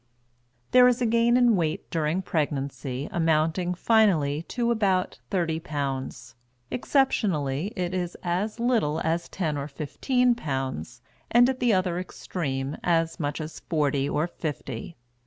There is a gain in weight during pregnancy amounting finally to about thirty pounds; exceptionally, it is as little as ten or fifteen pounds, and, at the other extreme, as much as forty or fifty.